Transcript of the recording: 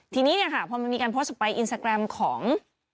ทีนี้นี่ค่ะพรมสมีการพสพายอินสาแกรมของ